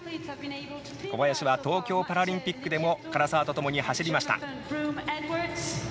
小林は東京パラリンピックでも唐澤とともに走りました。